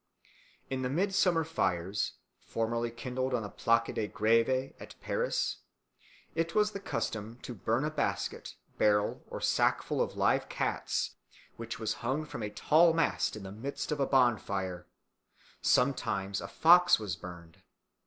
In the midsummer fires formerly kindled on the Place de Grève at Paris it was the custom to burn a basket, barrel, or sack full of live cats, which was hung from a tall mast in the midst of the bonfire; sometimes a fox was burned.